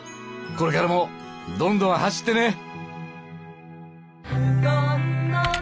これからもどんどん走ってね！